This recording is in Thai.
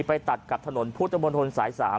ไปตัดกับถนนพุทธมนตรสาย๓